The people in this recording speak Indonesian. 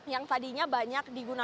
yang tadinya banyak digunakan